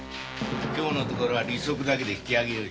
今日のところは利息だけで引き上げよう。